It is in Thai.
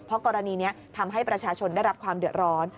เพราะกรณีนี้ทำให้ประชาชนได้รับความเดือดร้อน